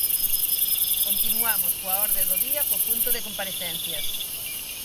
Continuamos coa orde do día co punto de comparecencias.